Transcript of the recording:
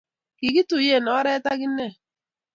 kikituye ore ak inne.